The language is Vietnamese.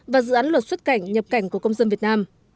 và dự án luật xuất cảnh nhập cảnh của công dân việt nam